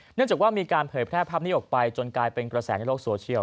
เนื่องจากว่ามีการเผยแพร่ภาพนี้ออกไปจนกลายเป็นกระแสในโลกโซเชียล